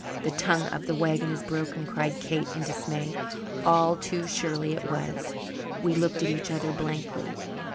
"The tongue of the wagon is broken," cried Kate in dismay. All too surely it was. We looked at each other blankly.